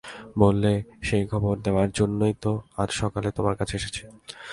বললে, সেই খবর দেবার জন্যেই তো আজ সকালে তোমার কাছে এসেছি।